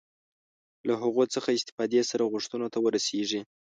له هغوی څخه استفادې سره غوښتنو ته ورسېږي.